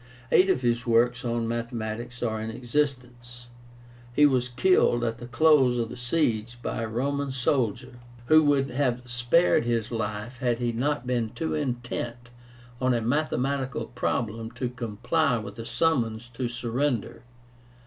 Eight of his works on mathematics are in existence. He was killed at the close of the siege by a Roman soldier, who would have spared his life had he not been too intent on a mathematical problem to comply with the summons to surrender.